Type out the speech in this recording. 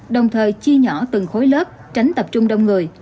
đồng thời chia nhỏ từng khối lớp tránh tập trung đông người